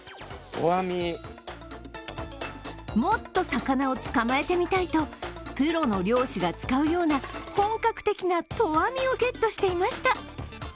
もっと魚を捕まえてみたいとプロの漁師が使うような本格的な投網をゲットしていました。